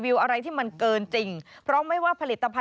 ยอมรับว่าการตรวจสอบเพียงเลขอยไม่สามารถทราบได้ว่าเป็นผลิตภัณฑ์ปลอม